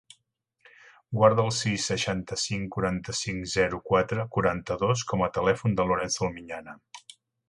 Guarda el sis, seixanta-cinc, quaranta-cinc, zero, quatre, quaranta-dos com a telèfon del Lorenzo Almiñana.